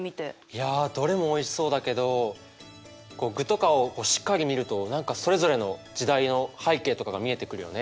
いやどれもおいしそうだけど具とかをしっかり見ると何かそれぞれの時代の背景とかが見えてくるよね。